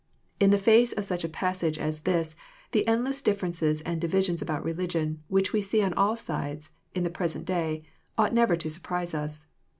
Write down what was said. In the face of such a passage as this, the endless differences and divisions about religion, which we see on all sides, in the present day, ought never to surprise us.